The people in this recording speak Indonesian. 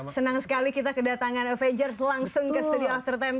senang sekali kita kedatangan avengers langsung ke studio after sepuluh